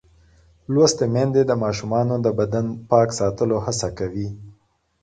لوستې میندې د ماشومانو د بدن پاک ساتلو هڅه کوي.